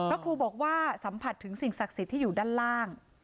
ครูบอกว่าสัมผัสถึงสิ่งศักดิ์สิทธิ์ที่อยู่ด้านล่าง